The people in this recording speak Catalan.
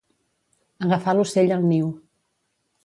Agafar l'ocell al niu.